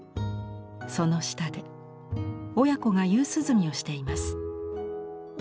その下で親子が夕涼みをしています。